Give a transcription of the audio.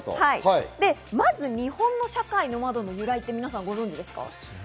まず日本の社会の窓の由来って皆さん、ご存じですか？